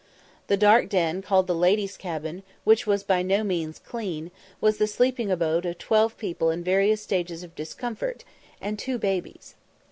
The dark den called the ladies' cabin, which was by no means clean, was the sleeping abode of twelve people in various stages of discomfort, and two babies.